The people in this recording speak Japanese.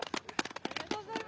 ありがとうございます。